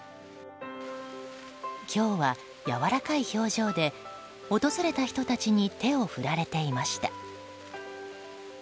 今日はやわらかい表情で訪れた人たちに手を振られていました。